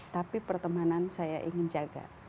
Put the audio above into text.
tapi pertemanan saya ingin jaga